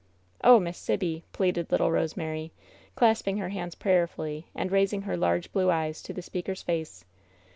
"Oh, Miss Sibby !" pleaded little Rosemary, clasping her hands prayerfully, and raising her large blue eyes to the speaker's face.